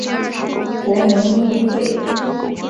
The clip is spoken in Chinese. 国民议会。